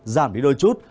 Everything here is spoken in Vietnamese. giảm đi đôi chút